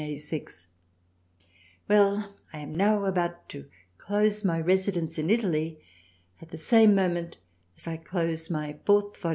lam 46 THRALIANA now about to close my Residence in Italy at the same Moment as I close my 4th Vol.